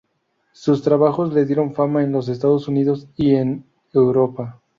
Sus trabajos le dieron fama en los Estados Unidos y en Europa.